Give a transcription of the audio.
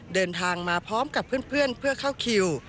เดินทางมาพร้อมกับเพื่อนเพื่อเข้าคิว